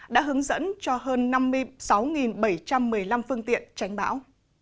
đã hướng dẫn cho hơn năm mươi sáu bảy trăm một mươi năm phương tiện tránh bão